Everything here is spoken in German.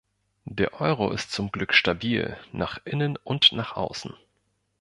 Der Euro ist zum Glück stabil nach innen und nach außen.